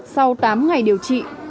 sau tám ngày điều trị